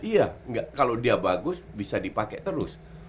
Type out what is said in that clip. iya kalau dia bagus bisa dipakai terus